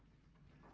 aku sudah berjalan